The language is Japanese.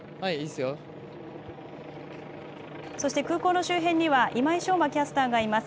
そして空港の周辺には今井翔馬キャスターがいます。